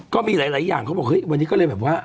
ก็มีหลายอย่างเขาบอกเฮ้ยวันนี้ก็เลยแบบว่า